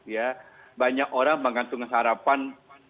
ya banyak orang mengantungkan harapan